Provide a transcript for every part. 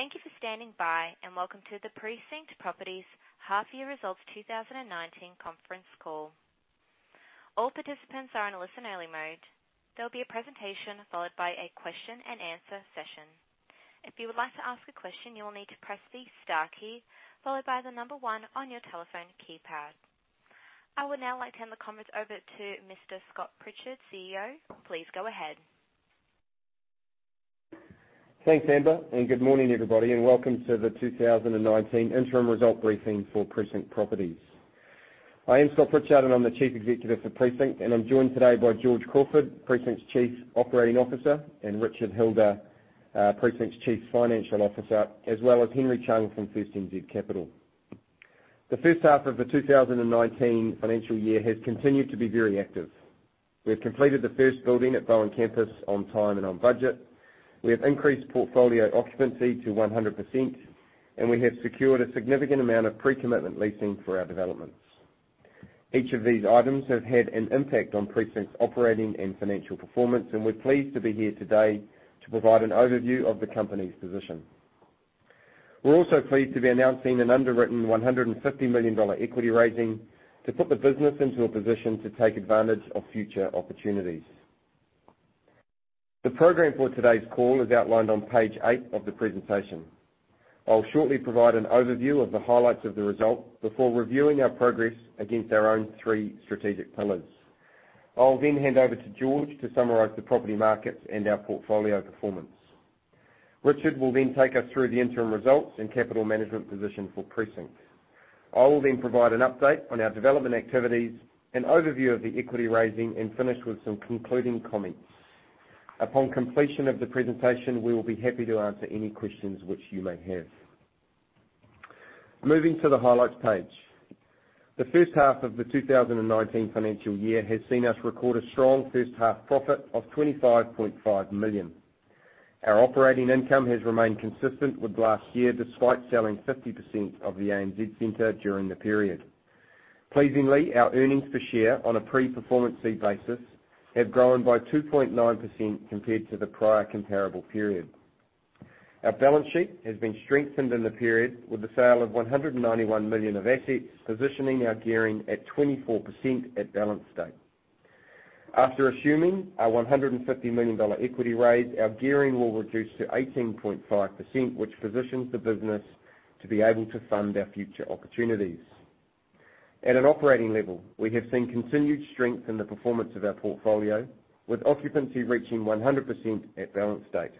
Thank you for standing by, and welcome to the Precinct Properties Half Year Results 2019 conference call. All participants are on a listen only mode. There'll be a presentation followed by a question and answer session. If you would like to ask a question, you will need to press the star key followed by the number one on your telephone keypad. I would now like to hand the conference over to Mr. Scott Pritchard, CEO. Please go ahead. Thanks, Amber, and good morning, everybody, and welcome to the 2019 interim result briefing for Precinct Properties. I am Scott Pritchard, and I'm the Chief Executive for Precinct, and I'm joined today by George Crawford, Precinct's Chief Operating Officer, and Richard Hilder, Precinct's Chief Financial Officer, as well as Henry Chung from First NZ Capital. The first half of the 2019 financial year has continued to be very active. We have completed the first building at Bowen Campus on time and on budget. We have increased portfolio occupancy to 100%, and we have secured a significant amount of pre-commitment leasing for our developments. Each of these items have had an impact on Precinct's operating and financial performance, and we're pleased to be here today to provide an overview of the company's position. We're also pleased to be announcing an underwritten 150 million dollar equity raising to put the business into a position to take advantage of future opportunities. The program for today's call is outlined on page eight of the presentation. I'll shortly provide an overview of the highlights of the results before reviewing our progress against our own three strategic pillars. I'll then hand over to George to summarize the property markets and our portfolio performance. Richard will then take us through the interim results and capital management position for Precinct. I will provide an update on our development activities, an overview of the equity raising, and finish with some concluding comments. Upon completion of the presentation, we will be happy to answer any questions which you may have. Moving to the highlights page. The first half of the 2019 financial year has seen us record a strong first half profit of 25.5 million. Our operating income has remained consistent with last year, despite selling 50% of the ANZ Centre during the period. Pleasingly, our earnings per share on a pre-performance fee basis have grown by 2.9% compared to the prior comparable period. Our balance sheet has been strengthened in the period with the sale of 191 million of assets, positioning our gearing at 24% at balance date. After assuming our 150 million dollar equity raise, our gearing will reduce to 18.5%, which positions the business to be able to fund our future opportunities. At an operating level, we have seen continued strength in the performance of our portfolio with occupancy reaching 100% at balance date.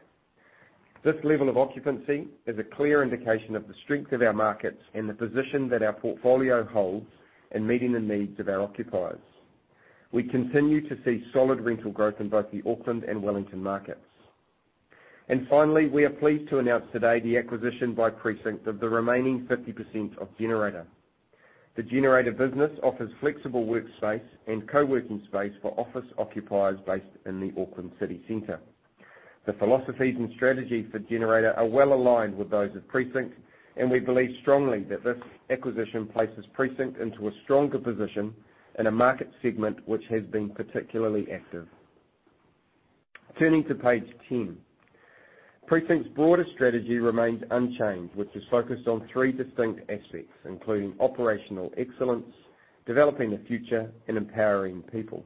This level of occupancy is a clear indication of the strength of our markets and the position that our portfolio holds in meeting the needs of our occupiers. We continue to see solid rental growth in both the Auckland and Wellington markets. Finally, we are pleased to announce today the acquisition by Precinct of the remaining 50% of Generator. The Generator business offers flexible workspace and co-working space for office occupiers based in the Auckland city center. The philosophies and strategy for Generator are well-aligned with those of Precinct, and we believe strongly that this acquisition places Precinct into a stronger position in a market segment which has been particularly active. Turning to page 10. Precinct's broader strategy remains unchanged, which is focused on three distinct aspects, including operational excellence, developing the future, and empowering people.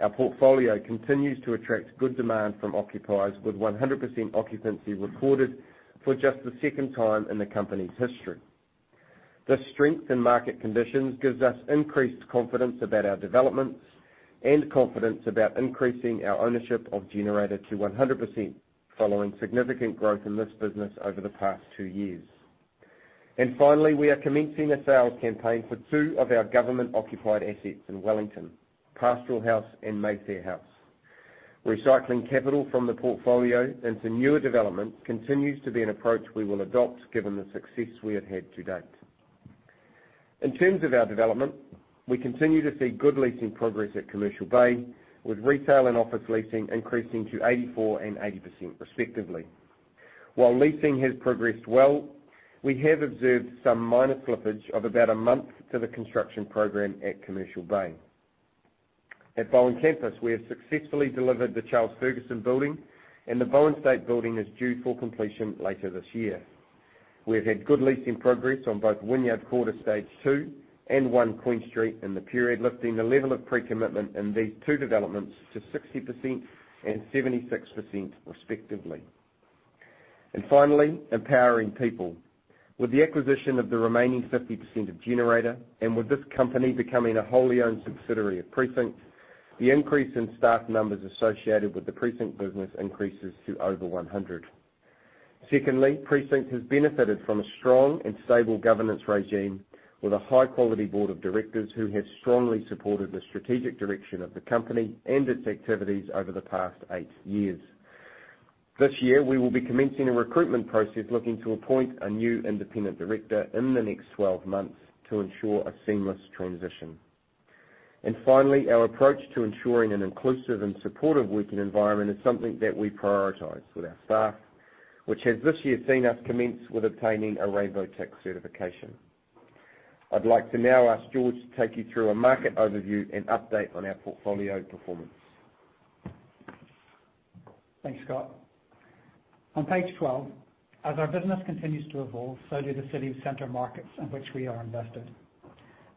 Our portfolio continues to attract good demand from occupiers with 100% occupancy reported for just the second time in the company's history. The strength in market conditions gives us increased confidence about our developments and confidence about increasing our ownership of Generator to 100%, following significant growth in this business over the past two years. Finally, we are commencing a sales campaign for two of our government-occupied assets in Wellington, Pastoral House and Mayfair House. Recycling capital from the portfolio into newer development continues to be an approach we will adopt given the success we have had to date. In terms of our development, we continue to see good leasing progress at Commercial Bay, with retail and office leasing increasing to 84% and 80% respectively. While leasing has progressed well, we have observed some minor slippage of about a month to the construction program at Commercial Bay. At Bowen Campus, we have successfully delivered the Charles Fergusson Building, and the Bowen State Building is due for completion later this year. We've had good leasing progress on both Wynyard Quarter Stage 2 and One Queen Street in the period, lifting the level of pre-commitment in these two developments to 60% and 76% respectively. Finally, empowering people. With the acquisition of the remaining 50% of Generator and with this company becoming a wholly owned subsidiary of Precinct, the increase in staff numbers associated with the Precinct business increases to over 100. Secondly, Precinct has benefited from a strong and stable governance regime with a high-quality board of directors who have strongly supported the strategic direction of the company and its activities over the past eight years. This year, we will be commencing a recruitment process looking to appoint a new independent director in the next 12 months to ensure a seamless transition. Finally, our approach to ensuring an inclusive and supportive working environment is something that we prioritize with our staff, which has this year seen us commence with obtaining a Rainbow Tick certification. I'd like to now ask George to take you through a market overview and update on our portfolio performance. Thanks, Scott. On page 12, as our business continues to evolve, so do the city center markets in which we are invested.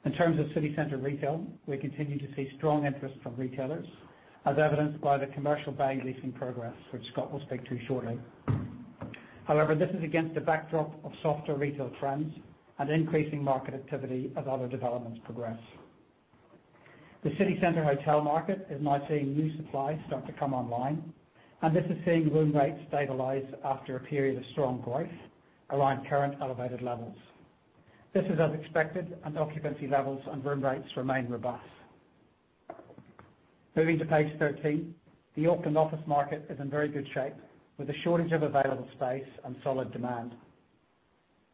In terms of city center retail, we continue to see strong interest from retailers, as evidenced by the Commercial Bay leasing progress, which Scott will speak to shortly. However, this is against the backdrop of softer retail trends and increasing market activity as other developments progress. The city center hotel market is now seeing new supply start to come online, and this is seeing room rates stabilize after a period of strong growth, around current elevated levels. This is as expected, and occupancy levels and room rates remain robust. Moving to page 13, the Auckland office market is in very good shape with a shortage of available space and solid demand.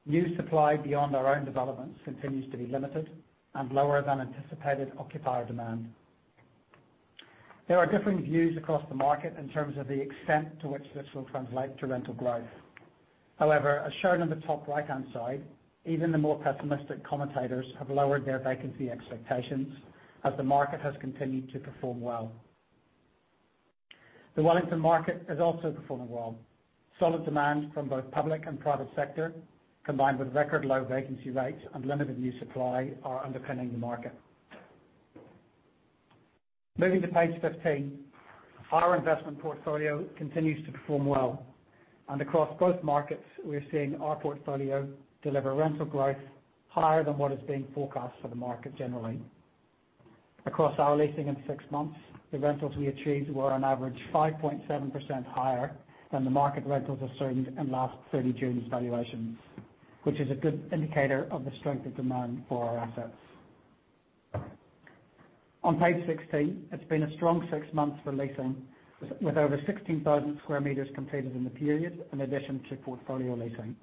New supply beyond our own developments continues to be limited and lower than anticipated occupier demand. There are different views across the market in terms of the extent to which this will translate to rental growth. However, as shown on the top right-hand side, even the more pessimistic commentators have lowered their vacancy expectations as the market has continued to perform well. The Wellington market is also performing well. Solid demand from both public and private sector, combined with record low vacancy rates and limited new supply, are underpinning the market. Moving to page 15, our investment portfolio continues to perform well. Across both markets, we are seeing our portfolio deliver rental growth higher than what is being forecast for the market generally. Across our leasing in six months, the rentals we achieved were on average 5.7% higher than the market rentals assumed in last 30 June evaluations, which is a good indicator of the strength of demand for our assets. On page 16, it's been a strong six months for leasing, with over 16,000 square meters completed in the period in addition to portfolio leasing.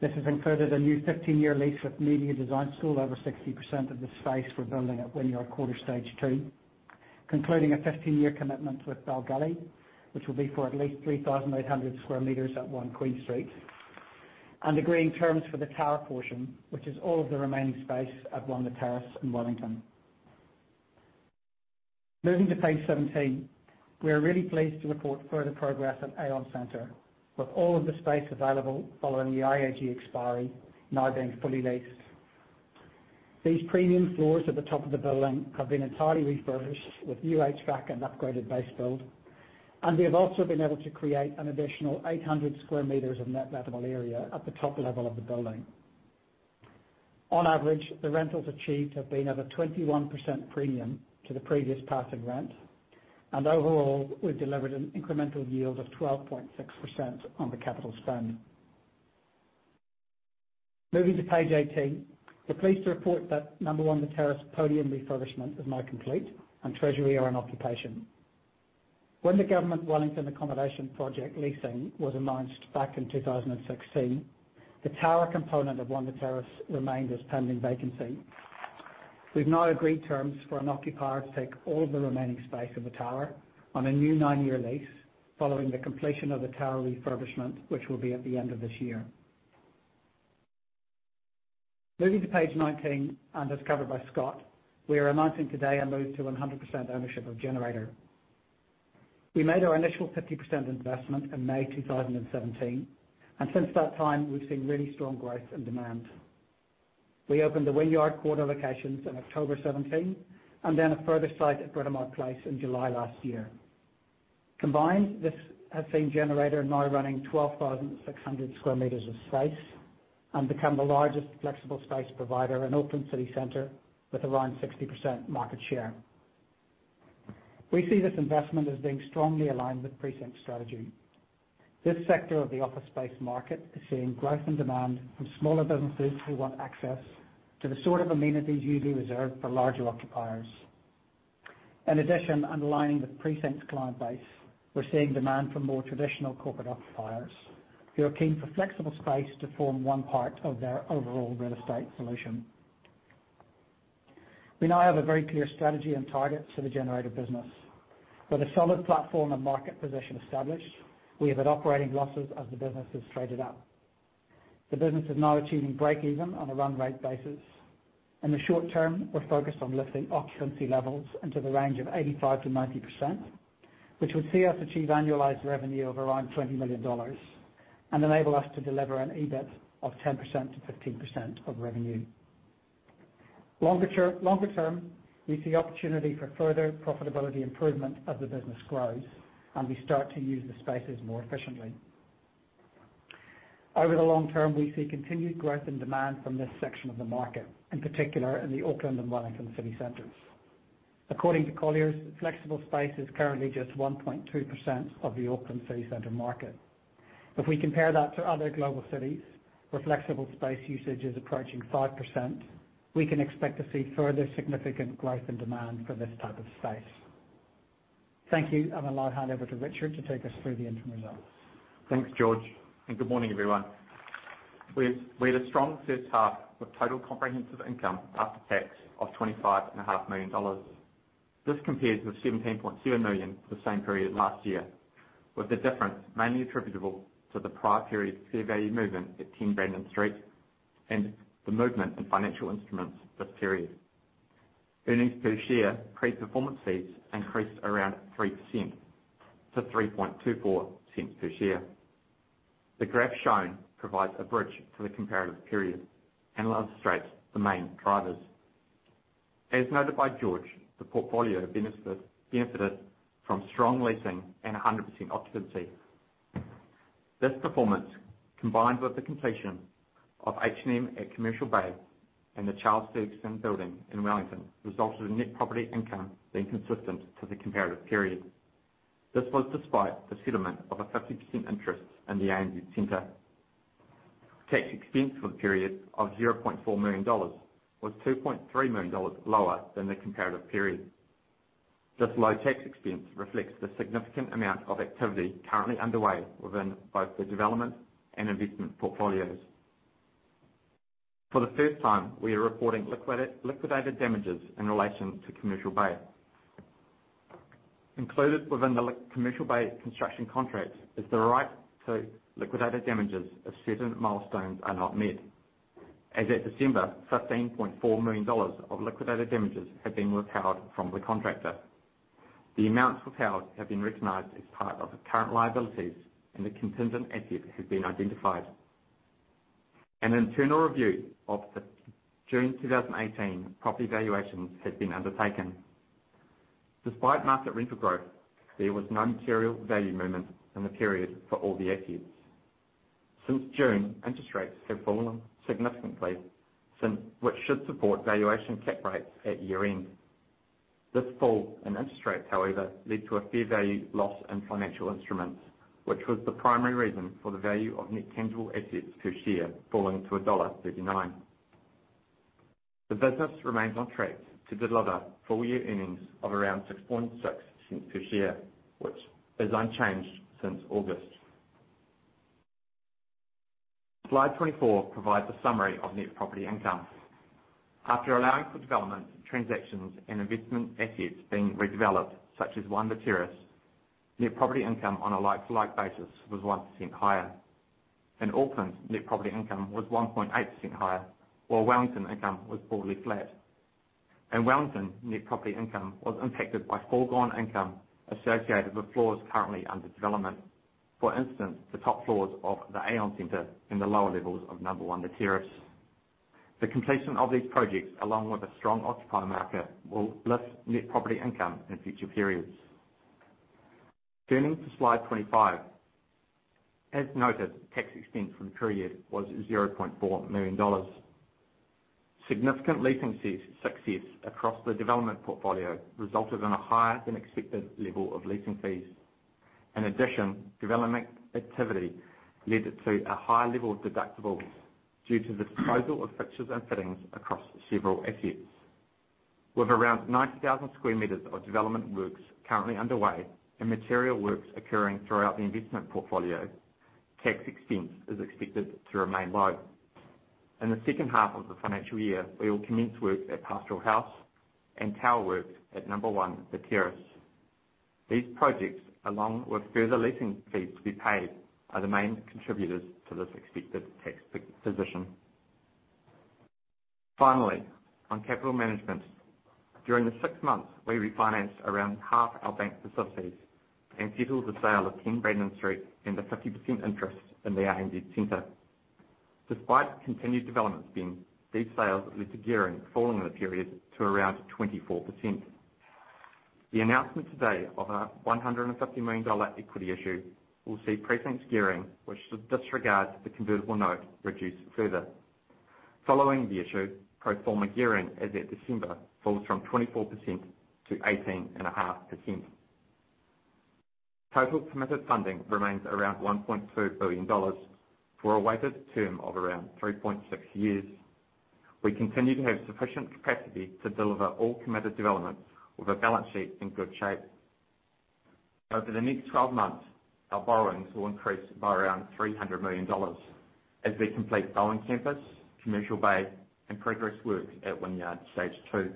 This has included a new 15-year lease with Media Design School, over 60% of the space we're building at Wynyard Quarter Stage Two, concluding a 15-year commitment with Bell Gully, which will be for at least 3,800 square meters at One Queen Street, and agreeing terms for the tower portion, which is all of the remaining space at One The Terrace in Wellington. Moving to page 17, we are really pleased to report further progress at Aon Centre with all of the space available following the IAG expiry now being fully leased. These premium floors at the top of the building have been entirely refurbished with new HVAC and upgraded base build. We have also been able to create an additional 800 sq m of net lettable area at the top level of the building. On average, the rentals achieved have been at a 21% premium to the previous passing rent. Overall, we've delivered an incremental yield of 12.6% on the capital spend. Moving to page 18, we're pleased to report that Number One The Terrace podium refurbishment is now complete. Treasury are in occupation. When the government Wellington accommodation project leasing was announced back in 2016, the tower component of One The Terrace remained as pending vacancy. We've now agreed terms for an occupier to take all of the remaining space in the tower on a new nine-year lease following the completion of the tower refurbishment, which will be at the end of this year. Moving to page 19, as covered by Scott, we are announcing today a move to 100% ownership of Generator. We made our initial 50% investment in May 2017. Since that time, we've seen really strong growth and demand. We opened the Wynyard Quarter locations in October 2017. Then a further site at Britomart Place in July last year. Combined, this has seen Generator now running 12,600 sq m of space and become the largest flexible space provider in Auckland City Center with around 60% market share. We see this investment as being strongly aligned with Precinct's strategy. This sector of the office space market is seeing growth and demand from smaller businesses who want access to the sort of amenities usually reserved for larger occupiers. In addition, aligning with Precinct's client base, we're seeing demand for more traditional corporate occupiers who are keen for flexible space to form one part of their overall real estate solution. We now have a very clear strategy and targets for the Generator business. With a solid platform and market position established, we have had operating losses as the business has traded up. The business is now achieving break even on a run rate basis. In the short term, we're focused on lifting occupancy levels into the range of 85%-90%, which would see us achieve annualized revenue of around 20 million dollars and enable us to deliver an EBIT of 10%-15% of revenue. Longer term, we see opportunity for further profitability improvement as the business grows and we start to use the spaces more efficiently. Over the long term, we see continued growth and demand from this section of the market, in particular in the Auckland and Wellington City Centers. According to Colliers, flexible space is currently just 1.2% of the Auckland City Center market. If we compare that to other global cities where flexible space usage is approaching 5%, we can expect to see further significant growth and demand for this type of space. Thank you. I'll now hand over to Richard to take us through the interim results. Thanks, George. Good morning, everyone. We had a strong first half with total comprehensive income after tax of 25.5 million dollars. This compares with 17.7 million the same period last year, with the difference mainly attributable to the prior period fair value movement at 10 Brandon Street and the movement in financial instruments this period. Earnings per share pre-performance fees increased around 3% to 0.0324 per share. The graph shown provides a bridge to the comparative period and illustrates the main drivers. As noted by George, the portfolio benefited from strong leasing and 100% occupancy. This performance, combined with the completion of H&M at Commercial Bay and the Charles Fergusson Building in Wellington, resulted in net property income being consistent to the comparative period. This was despite the settlement of a 50% interest in the ANZ Centre. Tax expense for the period of 0.4 million dollars was 2.3 million dollars lower than the comparative period. This low tax expense reflects the significant amount of activity currently underway within both the development and investment portfolios. For the first time, we are reporting liquidated damages in relation to Commercial Bay. Included within the Commercial Bay construction contract is the right to liquidated damages if certain milestones are not met. As at December, 15.4 million dollars of liquidated damages have been withheld from the contractor. The amounts withheld have been recognized as part of the current liabilities, and the contingent asset has been identified. An internal review of the June 2018 property valuations has been undertaken. Despite market rental growth, there was no material value movement in the period for all the assets. Since June, interest rates have fallen significantly, which should support valuation cap rates at year-end. This fall in interest rates, however, led to a fair value loss in financial instruments, which was the primary reason for the value of net tangible assets per share falling to dollar 1.39. The business remains on track to deliver full-year earnings of around 0.066 per share, which is unchanged since August. Slide 24 provides a summary of net property income. After allowing for development transactions and investment assets being redeveloped, such as One The Terrace, net property income on a like-to-like basis was 1% higher. In Auckland, net property income was 1.8% higher, while Wellington income was broadly flat. In Wellington, net property income was impacted by foregone income associated with floors currently under development. For instance, the top floors of the Aon Centre and the lower levels of One The Terrace. The completion of these projects, along with a strong occupier market, will lift net property income in future periods. Turning to Slide 25. As noted, tax expense for the period was 0.4 million dollars. Significant leasing success across the development portfolio resulted in a higher-than-expected level of leasing fees. In addition, development activity led to a high level of deductibles due to the disposal of fixtures and fittings across several assets. With around 90,000 sq m of development works currently underway and material works occurring throughout the investment portfolio, tax expense is expected to remain low. In the second half of the financial year, we will commence work at Pastoral House and tower works at One The Terrace. These projects, along with further leasing fees to be paid, are the main contributors to this expected tax position. Finally, on capital management. During the six months, we refinanced around half our bank facilities and settled the sale of 10 Brandon Street and a 50% interest in the ANZ Centre. Despite continued development spend, these sales led to gearing falling in the period to around 24%. The announcement today of a 150 million dollar equity issue will see Precinct's gearing, which should disregard the convertible note, reduced further. Following the issue, pro forma gearing as at December falls from 24% to 18.5%. Total committed funding remains around 1.2 billion dollars for a weighted term of around 3.6 years. We continue to have sufficient capacity to deliver all committed developments with a balance sheet in good shape. Over the next 12 months, our borrowings will increase by around 300 million dollars as we complete Bowen Campus, Commercial Bay, and progress work at Wynyard Stage Two.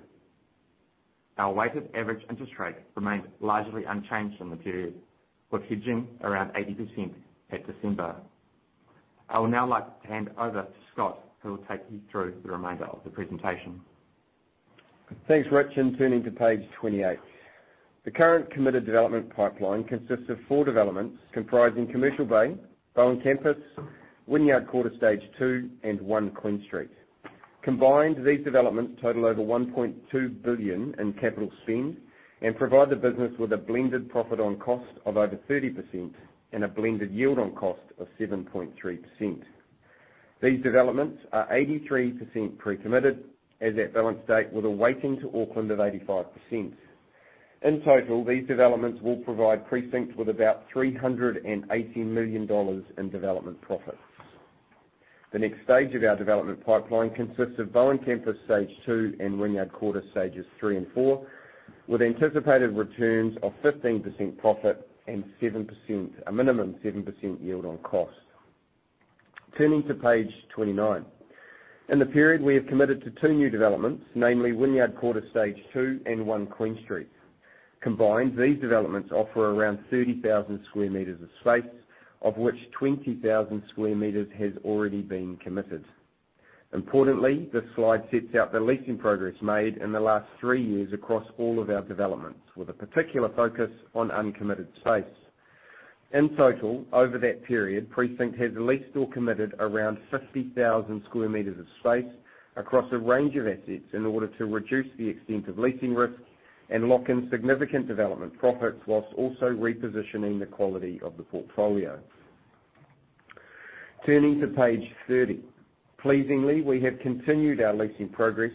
Our weighted average interest rate remains largely unchanged from the period, with hedging around 80% at December. I would now like to hand over to Scott, who will take you through the remainder of the presentation. Thanks, Rich, turning to page 28. The current committed development pipeline consists of four developments comprising Commercial Bay, Bowen Campus, Wynyard Quarter Stage Two, and One Queen Street. Combined, these developments total over 1.2 billion in capital spend and provide the business with a blended profit on cost of over 30% and a blended yield on cost of 7.3%. These developments are 83% pre-committed as at balance date, with a weighting to Auckland of 85%. In total, these developments will provide Precinct with about 380 million dollars in development profits. The next stage of our development pipeline consists of Bowen Campus Stage Two and Wynyard Quarter Stages Three and Four, with anticipated returns of 15% profit and a minimum 7% yield on cost. Turning to page 29. In the period, we have committed to two new developments, namely Wynyard Quarter Stage Two and One Queen Street. Combined, these developments offer around 30,000 sq m of space, of which 20,000 sq m has already been committed. Importantly, this slide sets out the leasing progress made in the last three years across all of our developments, with a particular focus on uncommitted space. In total, over that period, Precinct has leased or committed around 50,000 sq m of space across a range of assets in order to reduce the extent of leasing risk and lock in significant development profits, whilst also repositioning the quality of the portfolio. Turning to page 30. Pleasingly, we have continued our leasing progress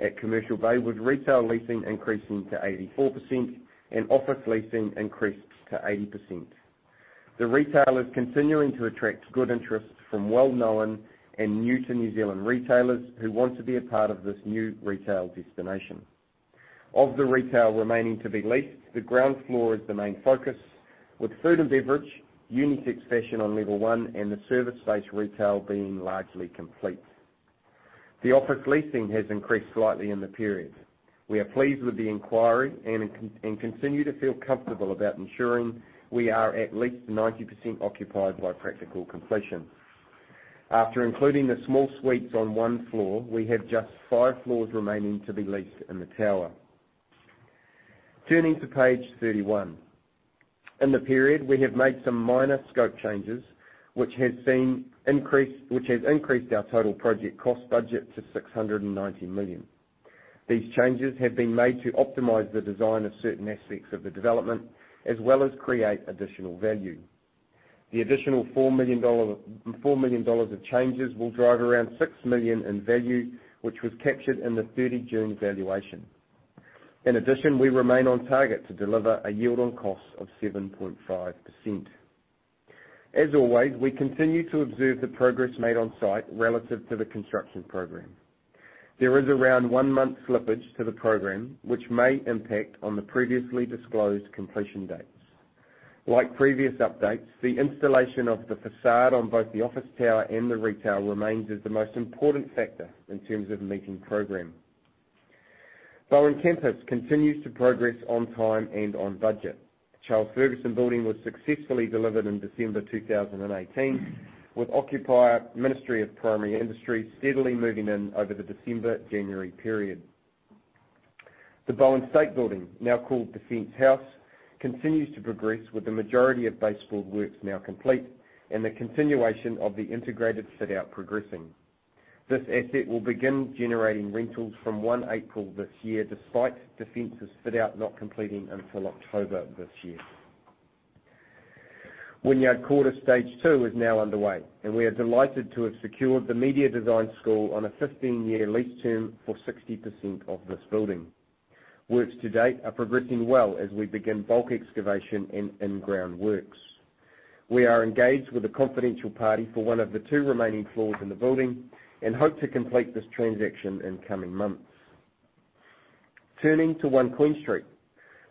at Commercial Bay, with retail leasing increasing to 84% and office leasing increased to 80%. The retail is continuing to attract good interest from well-known and new to New Zealand retailers who want to be a part of this new retail destination. Of the retail remaining to be leased, the ground floor is the main focus, with food and beverage, unisex fashion on level 1, and the service space retail being largely complete. The office leasing has increased slightly in the period. We are pleased with the inquiry and continue to feel comfortable about ensuring we are at least 90% occupied by practical completion. After including the small suites on one floor, we have just five floors remaining to be leased in the tower. Turning to page 31. In the period, we have made some minor scope changes, which has increased our total project cost budget to 690 million. These changes have been made to optimize the design of certain aspects of the development, as well as create additional value. The additional 4 million dollars of changes will drive around 6 million in value, which was captured in the 30 June valuation. In addition, we remain on target to deliver a yield on cost of 7.5%. As always, we continue to observe the progress made on site relative to the construction program. There is around one month slippage to the program, which may impact on the previously disclosed completion dates. Like previous updates, the installation of the façade on both the office tower and the retail remains as the most important factor in terms of meeting program. Bowen Campus continues to progress on time and on budget. The Charles Fergusson Building was successfully delivered in December 2018, with occupier Ministry for Primary Industries steadily moving in over the December-January period. The Bowen State Building, now called Defence House, continues to progress with the majority of base build works now complete and the continuation of the integrated fit-out progressing. This asset will begin generating rentals from 1 April this year, despite Defence's fit-out not completing until October this year. Wynyard Quarter Stage 2 is now underway, and we are delighted to have secured the Media Design School on a 15-year lease term for 60% of this building. Works to date are progressing well as we begin bulk excavation and in-ground works. We are engaged with a confidential party for one of the two remaining floors in the building and hope to complete this transaction in coming months. Turning to One Queen Street.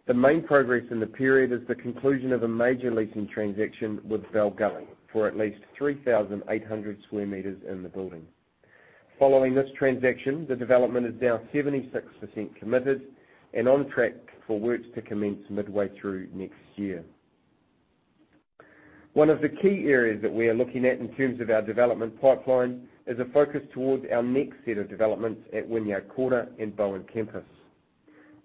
The main progress in the period is the conclusion of a major leasing transaction with Bell Gully for at least 3,800 sq m in the building. Following this transaction, the development is now 76% committed and on track for works to commence midway through next year. One of the key areas that we are looking at in terms of our development pipeline is a focus towards our next set of developments at Wynyard Quarter and Bowen Campus.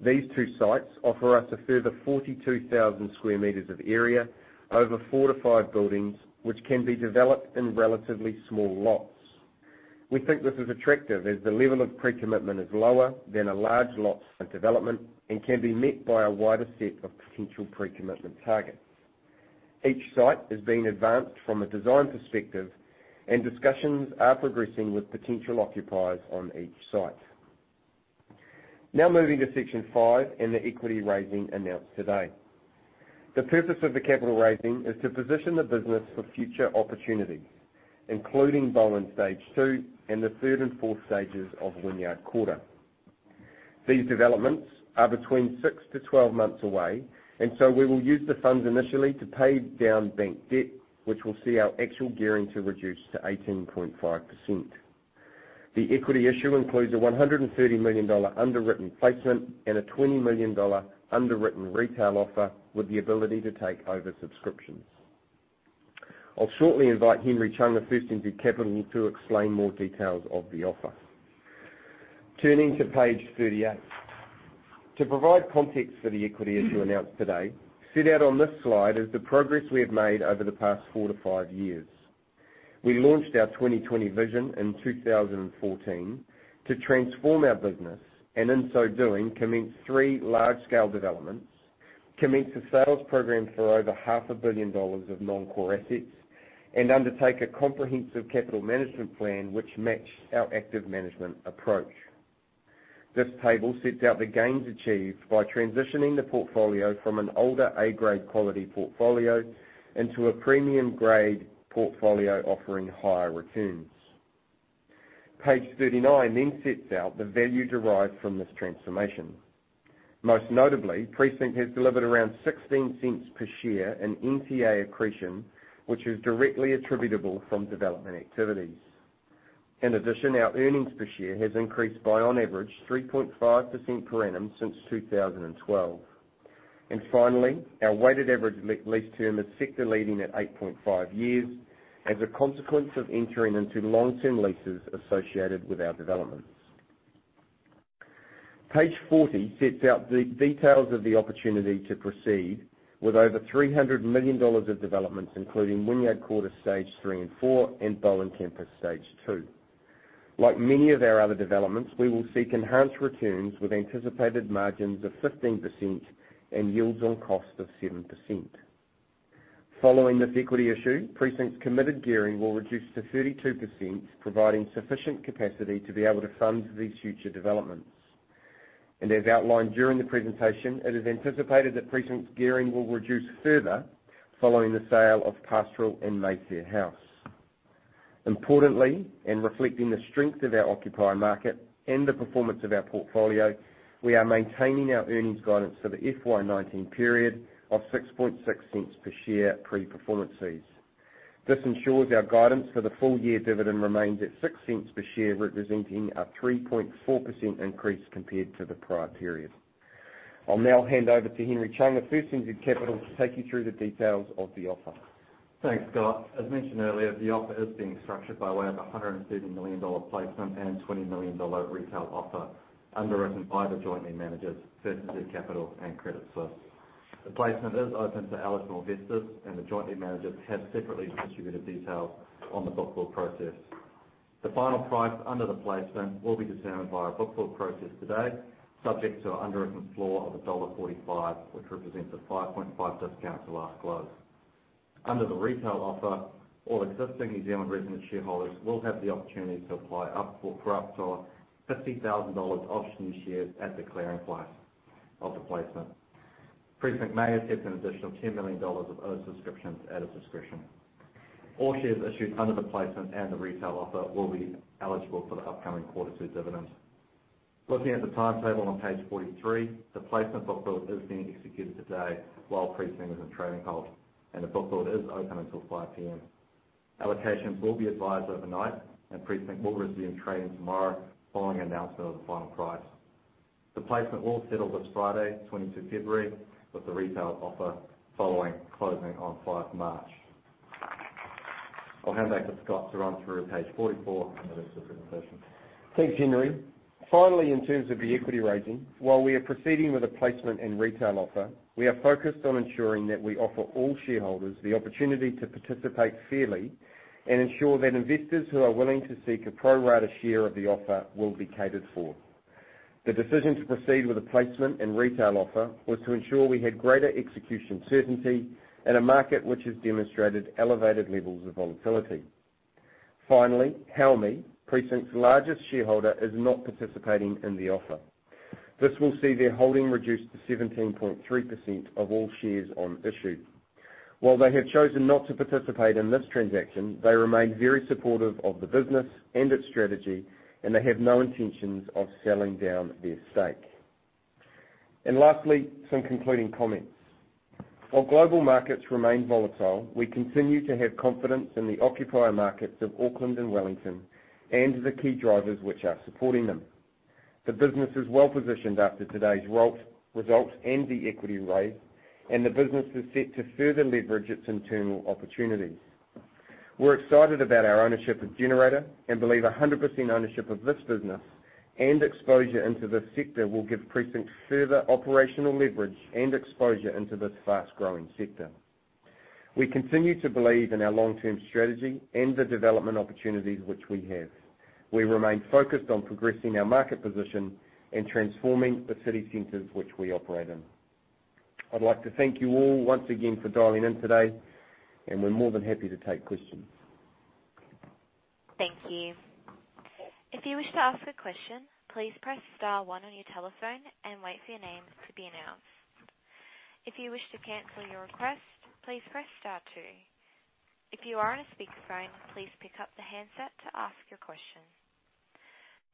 These two sites offer us a further 42,000 sq m of area over four to five buildings, which can be developed in relatively small lots. We think this is attractive as the level of pre-commitment is lower than a large lot site development and can be met by a wider set of potential pre-commitment targets. Each site is being advanced from a design perspective and discussions are progressing with potential occupiers on each site. Now moving to section five and the equity raising announced today. The purpose of the capital raising is to position the business for future opportunities, including Bowen Stage 2 and the third and fourth stages of Wynyard Quarter. These developments are between six to 12 months away, we will use the funds initially to pay down bank debt, which will see our actual gearing to reduce to 18.5%. The equity issue includes a 130 million dollar underwritten placement and a 20 million dollar underwritten retail offer with the ability to take over subscriptions. I'll shortly invite Henry Chung of First NZ Capital to explain more details of the offer. Turning to page 38. To provide context for the equity issue announced today, set out on this slide is the progress we have made over the past four to five years. We launched our 2020 vision in 2014 to transform our business, and in so doing, commence three large-scale developments, commence a sales program for over half a billion dollars of non-core assets, and undertake a comprehensive capital management plan, which matched our active management approach. This table sets out the gains achieved by transitioning the portfolio from an older A-grade quality portfolio into a premium-grade portfolio offering higher returns. Page 39 sets out the value derived from this transformation. Most notably, Precinct has delivered around 0.16 per share in NTA accretion, which is directly attributable from development activities. In addition, our earnings per share has increased by on average 3.5% per annum since 2012. Finally, our weighted average lease term is sector-leading at 8.5 years as a consequence of entering into long-term leases associated with our developments. Page 40 sets out the details of the opportunity to proceed with over 300 million dollars of developments, including Wynyard Quarter Stage 3 and 4, and Bowen Campus Stage 2. Like many of our other developments, we will seek enhanced returns with anticipated margins of 15% and yields on cost of 7%. Following this equity issue, Precinct's committed gearing will reduce to 32%, providing sufficient capacity to be able to fund these future developments. As outlined during the presentation, it is anticipated that Precinct's gearing will reduce further following the sale of Pastoral and Mayfair House. Importantly, in reflecting the strength of our occupier market and the performance of our portfolio, we are maintaining our earnings guidance for the FY19 period of 0.066 per share pre-performance fees. This ensures our guidance for the full-year dividend remains at 0.06 per share, representing a 3.4% increase compared to the prior period. I'll now hand over to Henry Chung of First NZ Capital to take you through the details of the offer. Thanks, Scott. As mentioned earlier, the offer is being structured by way of a 130 million dollar placement and a 20 million dollar retail offer underwritten by the joint lead managers, First NZ Capital and Credit Suisse. The placement is open to eligible investors, the joint lead managers have separately distributed details on the book build process. The final price under the placement will be determined by our book build process today, subject to an underwritten floor of dollar 1.45, which represents a 5.5% discount to last close. Under the retail offer, all existing New Zealand resident shareholders will have the opportunity to apply for up to 50,000 dollars of new shares at the clearing price of the placement. Precinct may accept an additional 10 million dollars of over subscriptions at a subscription. All shares issued under the placement and the retail offer will be eligible for the upcoming quarter two dividend. Looking at the timetable on page 43, the placement book build is being executed today while Precinct is in trading halt. The book build is open until 5:00 P.M. Allocations will be advised overnight, Precinct will resume trading tomorrow following announcement of the final price. The placement will settle this Friday, 22 February, with the retail offer following closing on 5 March. I'll hand back to Scott to run through page 44 and the rest of the presentation. Thanks, Henry. Finally, in terms of the equity raising, while we are proceeding with a placement and retail offer, we are focused on ensuring that we offer all shareholders the opportunity to participate fairly and ensure that investors who are willing to seek a pro-rata share of the offer will be catered for. The decision to proceed with a placement and retail offer was to ensure we had greater execution certainty in a market which has demonstrated elevated levels of volatility. Finally, Haumi, Precinct's largest shareholder, is not participating in the offer. This will see their holding reduced to 17.3% of all shares on issue. While they have chosen not to participate in this transaction, they remain very supportive of the business and its strategy, they have no intentions of selling down their stake. Lastly, some concluding comments. While global markets remain volatile, we continue to have confidence in the occupier markets of Auckland and Wellington and the key drivers which are supporting them. The business is well-positioned after today's result and the equity raise. The business is set to further leverage its internal opportunities. We're excited about our ownership of Generator and believe 100% ownership of this business and exposure into this sector will give Precinct further operational leverage and exposure into this fast-growing sector. We continue to believe in our long-term strategy and the development opportunities which we have. We remain focused on progressing our market position and transforming the city centers which we operate in. I'd like to thank you all once again for dialing in today, we're more than happy to take questions. Thank you. If you wish to ask a question, please press star one on your telephone and wait for your name to be announced. If you wish to cancel your request, please press star two. If you are on a speakerphone, please pick up the handset to ask your question.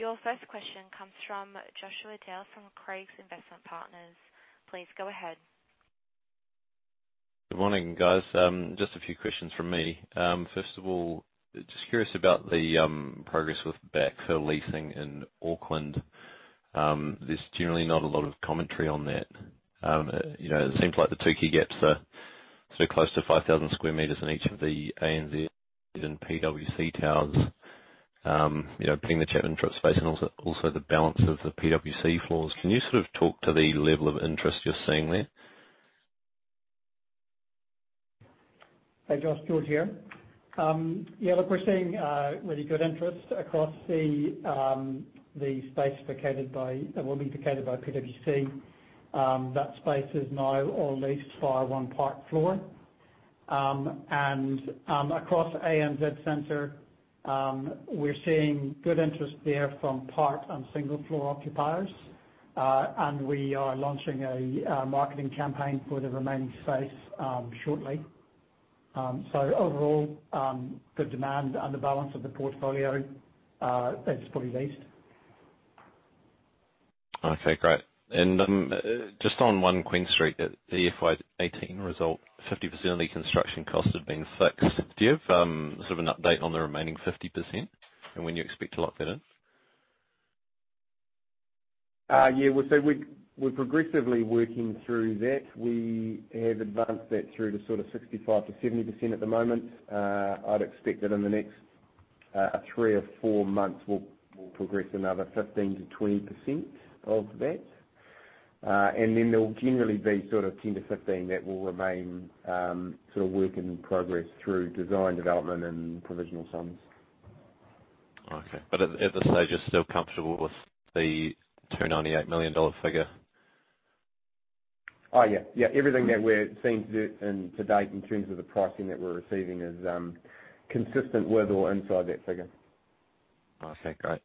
Your first question comes from Joshua Dale from Craigs Investment Partners. Please go ahead. Good morning, guys. Just a few questions from me. First of all, just curious about the progress with backfill leasing in Auckland. There's generally not a lot of commentary on that. It seems like the two key gaps are close to 5,000 sq m in each of the ANZ and PwC towers, putting the Chapman Tripp space and also the balance of the PwC floors. Can you talk to the level of interest you're seeing there? Hey, Josh. George here. Yeah, look, we're seeing really good interest across the space that will be vacated by PwC. That space is now all leased bar one park floor. Across ANZ Centre, we're seeing good interest there from park and single-floor occupiers, and we are launching a marketing campaign for the remaining space shortly. Overall, good demand on the balance of the portfolio. It's fully leased. Okay, great. Just on 1 Queen Street, at the FY 2018 result, 50% of the construction cost had been fixed. Do you have an update on the remaining 50% and when you expect to lock that in? Yeah. We're progressively working through that. We have advanced that through to 65%-70% at the moment. I'd expect that in the next three or four months, we'll progress another 15%-20% of that. Then there'll generally be 10-15 that will remain work in progress through design development and provisional sums. Okay. At this stage, you're still comfortable with the 298 million dollar figure? Yeah. Everything that we're seeing to date in terms of the pricing that we're receiving is consistent with or inside that figure. Okay, great.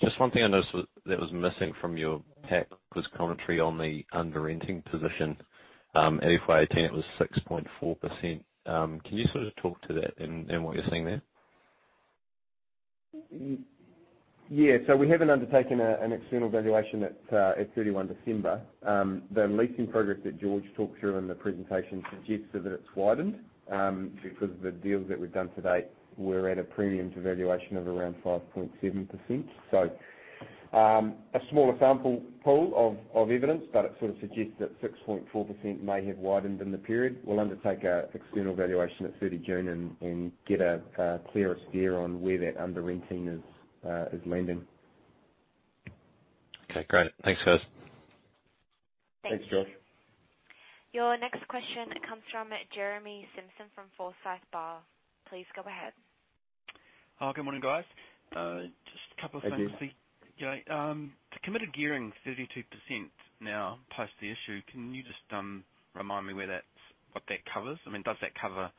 Just one thing I noticed that was missing from your deck was commentary on the under-renting position. At FY 2018, it was 6.4%. Can you talk to that and what you're seeing there? Yeah. We haven't undertaken an external valuation at 31 December. The leasing progress that George talked through in the presentation suggests that it's widened. Because of the deals that we've done to date, we're at a premium to valuation of around 5.7%. A smaller sample pool of evidence, but it suggests that 6.4% may have widened in the period. We'll undertake our external valuation at 30 June and get a clearer steer on where that under-renting is landing. Okay, great. Thanks, guys. Thanks, Josh. Your next question comes from Jeremy Simpson from Forsyth Barr. Please go ahead. Good morning, guys. Just a couple of things. Hey, Jeremy. The committed gearing, 32% now post the issue. Can you just remind me what that covers? I mean, does that cover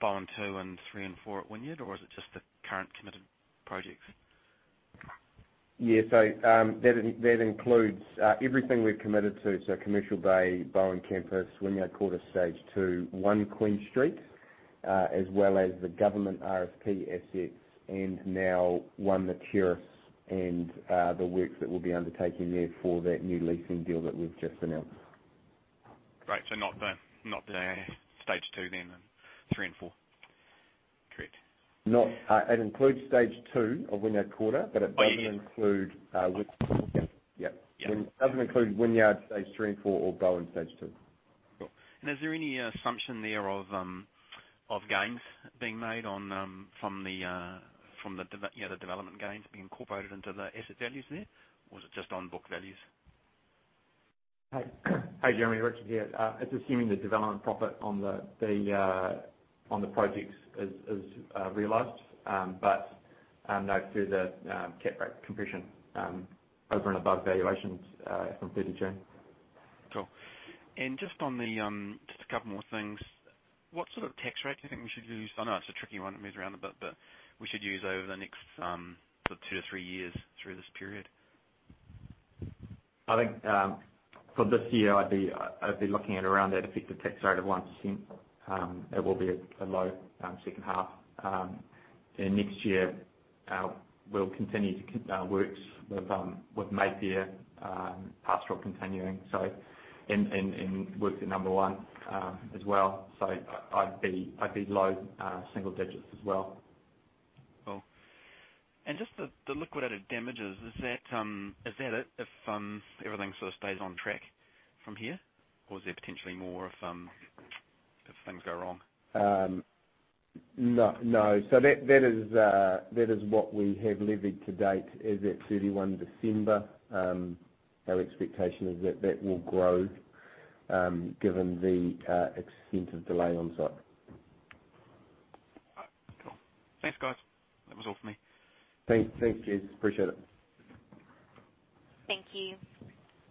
Bowen 2 and 3 and 4 at Wynyard, or is it just the current committed projects? Yeah, that includes everything we've committed to. Commercial Bay, Bowen Campus, Wynyard Quarter stage 2, 1 Queen Street, as well as the government RFP assets, and now One The Terrace and the works that we'll be undertaking there for that new leasing deal that we've just announced. Great. Not the stage 2 then, and 3 and 4? Correct. It includes stage 2 of Wynyard Quarter, but it doesn't include- Oh, yeah yeah. It doesn't include Wynyard stage 3 and 4 or Bowen stage 2. Cool. Is there any assumption there of gains being made from the development gains being incorporated into the asset values there? Is it just on book values? Hey, Jeremy. Richard here. It's assuming the development profit on the projects is realized. No through the cap rate compression over and above valuations from 30 June. Cool. Just a couple more things. What sort of tax rate do you think we should use? I know it's a tricky one, it moves around a bit, but we should use over the next sort of two to three years through this period. I think for this year, I'd be looking at around that effective tax rate of 1%. It will be a low second half. Next year, we'll continue works with Mayfair Pastoral continuing, and work at number 1 as well. I'd be low single digits as well. Cool. Just the liquidated damages, is that it if everything stays on track from here? Is there potentially more if things go wrong? No. That is what we have levied to date is at 31 December. Our expectation is that that will grow, given the extent of delay on site. All right, cool. Thanks, guys. That was all for me. Thanks. Appreciate it. Thank you.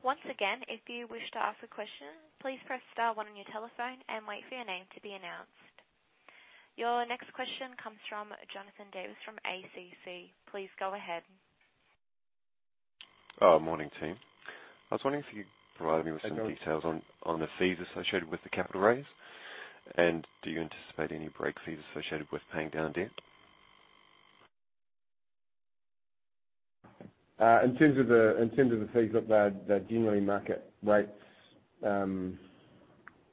Once again, if you wish to ask a question, please press star one on your telephone and wait for your name to be announced. Your next question comes from Jonathan Davis from ACC. Please go ahead. Morning, team. I was wondering if you could provide me with some details- Hey, Jonathan on the fees associated with the capital raise. Do you anticipate any break fees associated with paying down debt? In terms of the fees, look, they're generally market rates. I'm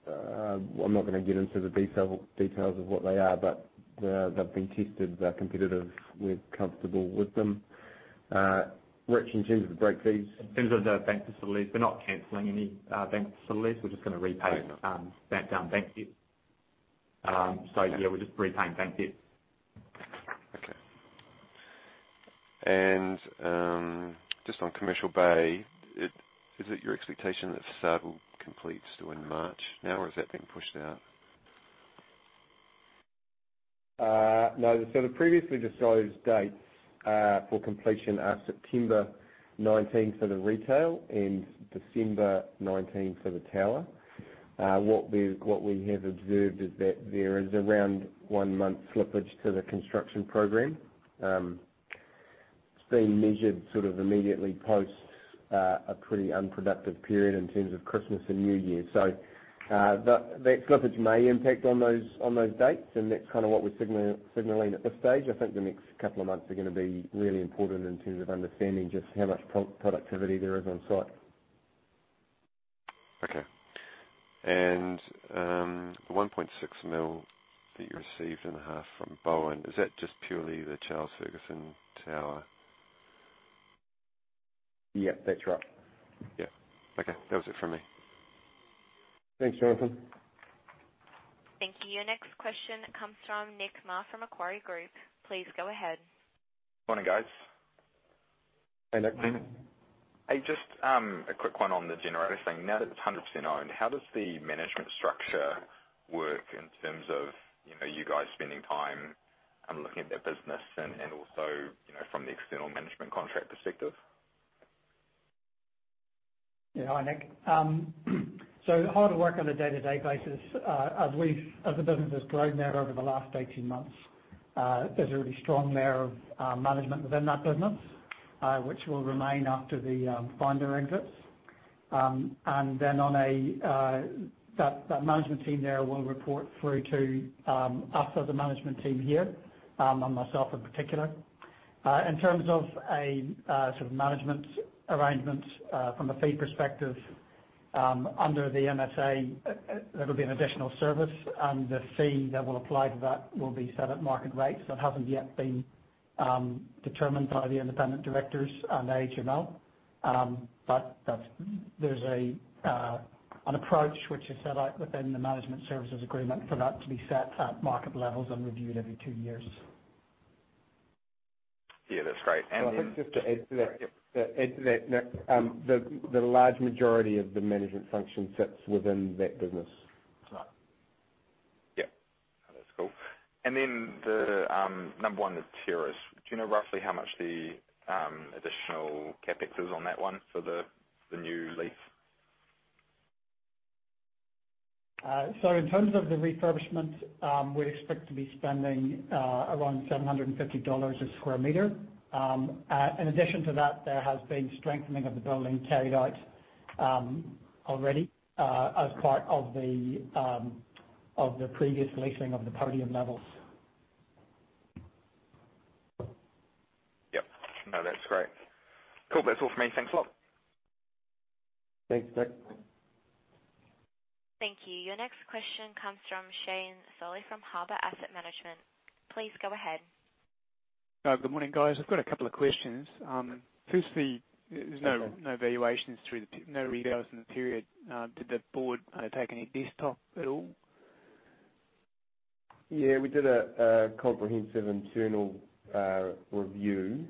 not going to get into the details of what they are, but they've been tested. They're competitive. We're comfortable with them. Rich, in terms of the break fees. In terms of the bank facilities, we're not canceling any bank facilities. We're just going to. I know that down bank debt. Yeah, we're just repaying bank debt. Okay. Just on Commercial Bay, is it your expectation that start will complete still in March now, or has that been pushed out? No. The previously disclosed dates for completion are September 2019 for the retail and December 2019 for the tower. What we have observed is that there is around one month slippage to the construction program. It has been measured immediately post a pretty unproductive period in terms of Christmas and New Year. That slippage may impact on those dates, and that is what we are signaling at this stage. I think the next couple of months are going to be really important in terms of understanding just how much productivity there is on site. Okay. The 1.6 million that you received in the half from Bowen, is that just purely the Charles Fergusson Building? Yeah, that is right. Yeah. Okay. That was it from me. Thanks, Jonathan. Thank you. Your next question comes from Nick Mar from Macquarie Group. Please go ahead. Morning, guys. Hey, Nick. Hey, just a quick one on the Generator thing. Now that it's 100% owned, how does the management structure work in terms of you guys spending time on looking at that business and also from the external management contract perspective? Hi, Nick. How to work on a day-to-day basis. As the business has grown there over the last 18 months, there's a really strong layer of management within that business, which will remain after the finder exits. That management team there will report through to us as a management team here, and myself in particular. In terms of a management arrangement from a fee perspective, under the MSA, there will be an additional service, and the fee that will apply to that will be set at market rates. That hasn't yet been determined by the independent directors and the HTML. There's an approach which is set out within the management services agreement for that to be set at market levels and reviewed every two years. That's great. I think just to add to that, Nick. The large majority of the management function sits within that business. Right. Yeah. No, that's cool. The Number One The Terrace, do you know roughly how much the additional CapEx is on that one for the new lease? In terms of the refurbishment, we'd expect to be spending around 750 dollars a sq m. In addition to that, there has been strengthening of the building carried out already as part of the previous leasing of the podium levels. Yep. No, that's great. Cool. That's all from me. Thanks a lot. Thanks, Nick. Thank you. Your next question comes from Shane Solly from Harbour Asset Management. Please go ahead. Good morning, guys. I've got a couple of questions. There's no valuations, no revalues in the period. Did the board take any desktop at all? Yeah, we did a comprehensive internal review,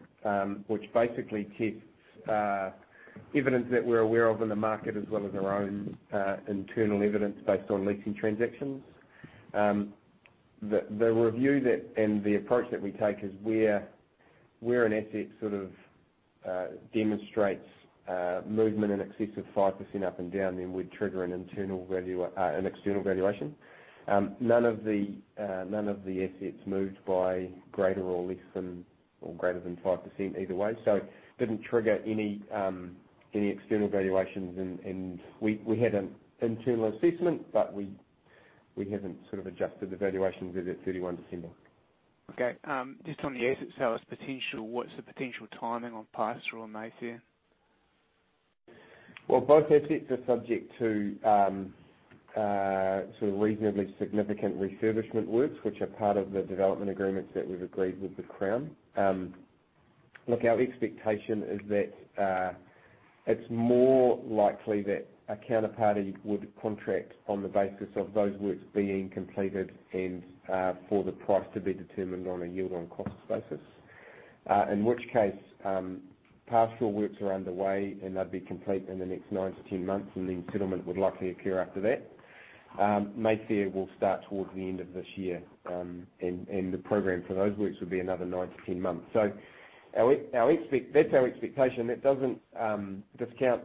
which basically tests evidence that we're aware of in the market, as well as our own internal evidence based on leasing transactions. The review and the approach that we take is where an asset sort of demonstrates movement in excess of 5% up and down, then we'd trigger an external valuation. None of the assets moved by greater or less than, or greater than 5% either way. Didn't trigger any external valuations. We had an internal assessment, but we haven't adjusted the valuations as at 31 December. Okay. Just on the asset sales potential, what's the potential timing on Pastoral or Mayfair? Both assets are subject to reasonably significant refurbishment works, which are part of the development agreements that we've agreed with the Crown. Our expectation is that it's more likely that a counterparty would contract on the basis of those works being completed and for the price to be determined on a yield on cost basis. In which case, Pastoral works are underway, and they'd be complete in the next 9-10 months, and then settlement would likely occur after that. Mayfair will start towards the end of this year, and the program for those works would be another 9-10 months. That's our expectation. That doesn't discount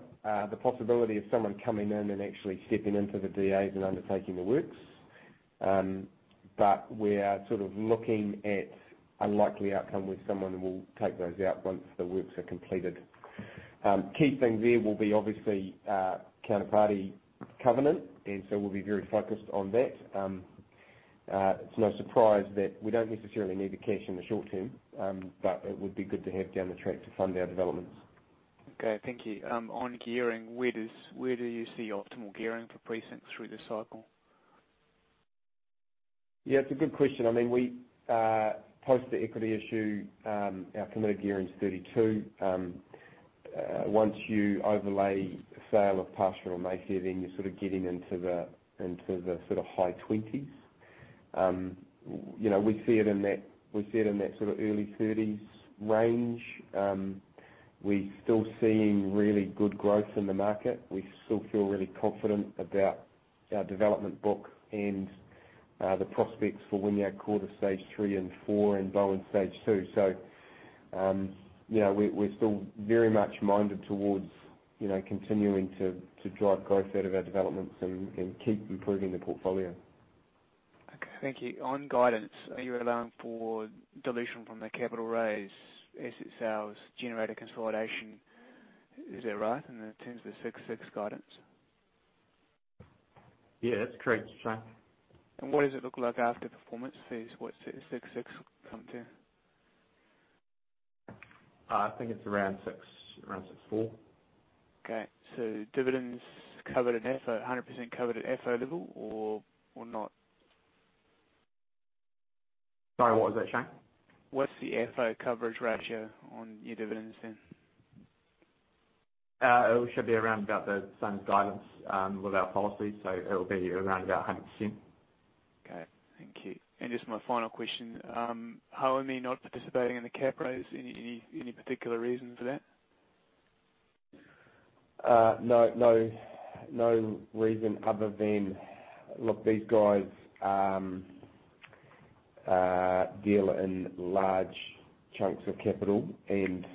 the possibility of someone coming in and actually stepping into the DAs and undertaking the works. We're looking at unlikely outcome with someone, and we'll take those out once the works are completed. Key thing there will be obviously counterparty covenant. We'll be very focused on that. It's no surprise that we don't necessarily need the cash in the short term, it would be good to have down the track to fund our developments. Okay, thank you. On gearing, where do you see optimal gearing for Precinct through this cycle? Yeah, it's a good question. Post the equity issue, our committed gearing is 32. Once you overlay sale of Pastoral or Mayfair, you're getting into the high 20s. We see it in that early 30s range. We're still seeing really good growth in the market. We still feel really confident about our development book and the prospects for Wynyard Quarter stage 3 and 4 and Bowen stage 2. We're still very much minded towards continuing to drive growth out of our developments and keep improving the portfolio. Thank you. On guidance, are you allowing for dilution from the capital raise, asset sales, Generator consolidation, is that right, in terms of 6.6 guidance? Yeah, that's correct, Shane. What does it look like after performance fees? What's 6.6 come to? I think it's around six, around 6.4. Okay. Dividends covered at 100% FO level or not? Sorry, what was that, Shane? What's the FO coverage ratio on your dividends then? It should be around about the same guidance with our policy, it'll be around about 100%. Okay. Thank you. Just my final question. Hollander not participating in the cap raise, any particular reason for that? No reason other than, look, these guys deal in large chunks of capital, it's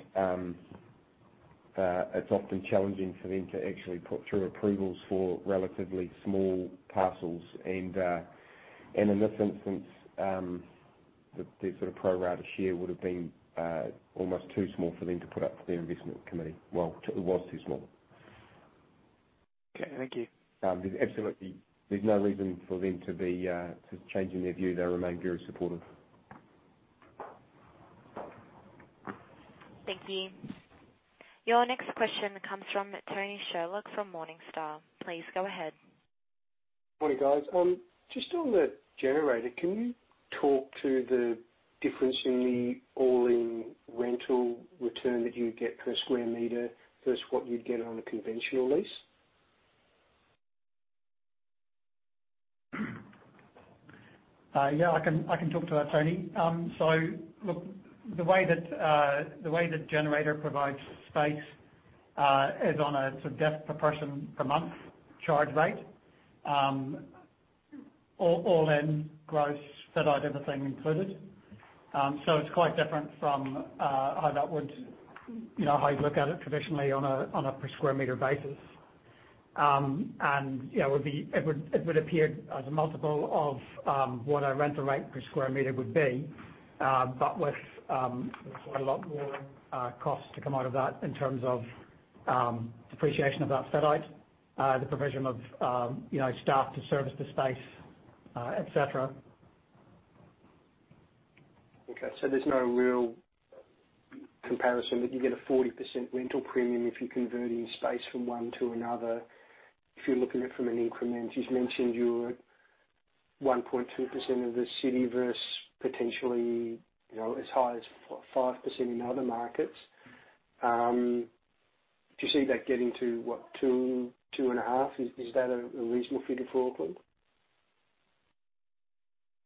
often challenging for them to actually put through approvals for relatively small parcels. In this instance, the sort of pro rata share would've been, almost too small for them to put up to their investment committee. Well, it was too small. Okay. Thank you. Absolutely. There's no reason for them to be changing their view. They remain very supportive. Thank you. Your next question comes from Tony Sherlock from Morningstar. Please go ahead. Morning, guys. Just on the Generator, can you talk to the difference in the all-in rental return that you get per square meter versus what you'd get on a conventional lease? Yeah. I can talk to that, Tony. Look, the way that Generator provides space is on a desk per person per month charge rate, all in gross, fit-out, everything included. It's quite different from how you look at it traditionally on a per square meter basis. It would appear as a multiple of what a rental rate per square meter would be. With a lot more costs to come out of that in terms of appreciation of that fit-out, the provision of staff to service the space, et cetera. Okay. There's no real comparison, but you get a 40% rental premium if you're converting space from one to another. If you're looking at it from an increment, you've mentioned you're at 1.2% of the city versus potentially as high as 5% in other markets. Do you see that getting to what, two and a half? Is that a reasonable figure for Auckland?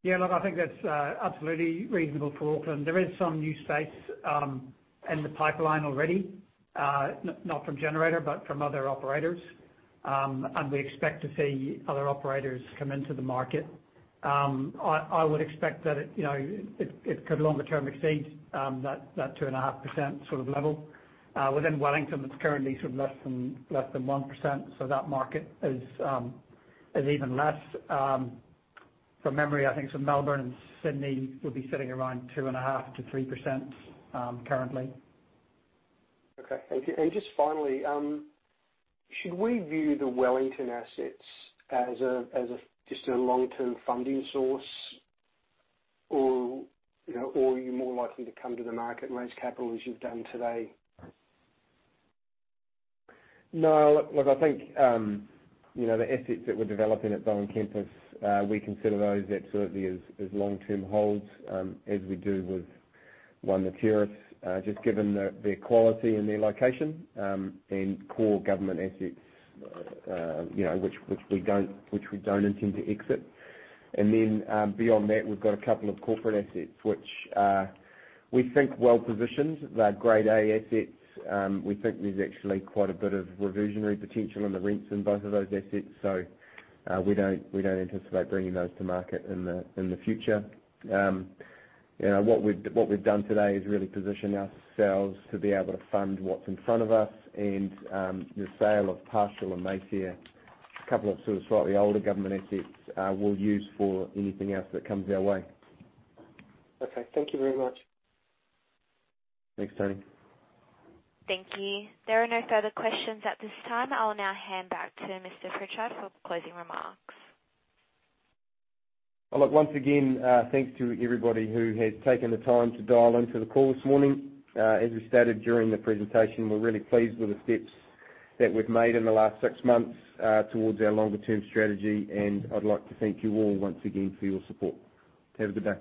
I think that's absolutely reasonable for Auckland. There is some new space in the pipeline already. Not from Generator, but from other operators. We expect to see other operators come into the market. I would expect that it could longer term exceed that 2.5% level. Within Wellington, it's currently less than 1%. That market is even less. From memory, I think Melbourne and Sydney would be sitting around 2.5%-3% currently. Okay. Thank you. Just finally, should we view the Wellington assets as just a long-term funding source or are you more likely to come to the market and raise capital as you've done today? No, look, I think, the assets that we're developing at Bowen Campus, we consider those absolutely as long-term holds, as we do with One The Terrace, just given their quality and their location, and core government assets which we don't intend to exit. Beyond that, we've got a couple of corporate assets which we think well-positioned. They're grade A assets. We think there's actually quite a bit of revisionary potential in the rents in both of those assets. We don't anticipate bringing those to market in the future. What we've done today is really position ourselves to be able to fund what's in front of us and the sale of Pastoral and Mayfair, a couple of sort of slightly older government assets we'll use for anything else that comes our way. Okay. Thank you very much. Thanks, Tony. Thank you. There are no further questions at this time. I'll now hand back to Mr. Pritchard for closing remarks. Look, once again, thanks to everybody who has taken the time to dial into the call this morning. As we stated during the presentation, we're really pleased with the steps that we've made in the last six months towards our longer term strategy. I'd like to thank you all once again for your support. Have a good day.